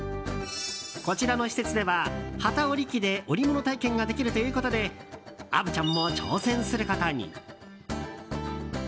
こちらの施設では機織り機で織物体験ができるということで虻ちゃんも挑戦することに。